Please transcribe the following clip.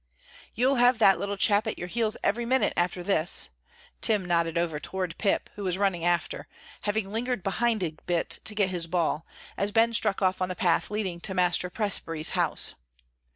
"You'll have that little chap at your heels every minute, after this," Tim nodded over toward Pip, who was running after, having lingered behind a bit to get his ball, as Ben struck off on the path leading to Master Presbrey's house.